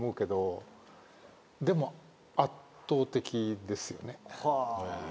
でも圧倒的ですよね。